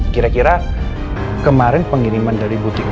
kira kira kemarin pengiriman dari butik